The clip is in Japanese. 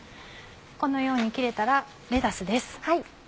このように切れたらレタスです。